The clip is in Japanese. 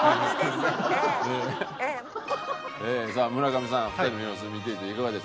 さあ村上さん２人の様子を見ていていかがでしょう？